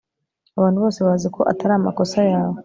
Abantu bose bazi ko atari amakosa yawe